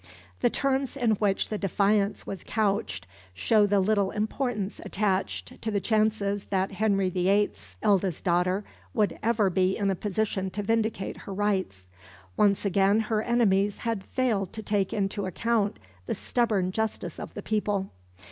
The terms in which the defiance was couched show the little importance attached to the chances that Henry VIII.'s eldest daughter would ever be in a position to vindicate her rights. Once again her enemies had failed to take into account the stubborn justice of the people.